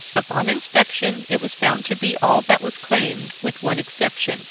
Upon inspection, it was found to be all that was claimed, with one exception.